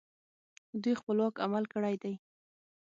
دوی خپلواک عمل کړی دی